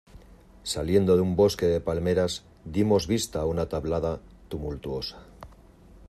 saliendo de un bosque de palmeras, dimos vista a una tablada tumultuosa